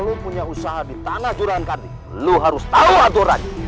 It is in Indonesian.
woy jangan ganggu ibu itu